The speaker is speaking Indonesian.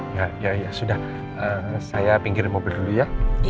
ya ya ya sudah saya pinggir mobil ya